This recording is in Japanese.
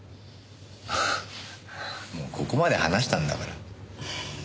もうここまで話したんだから。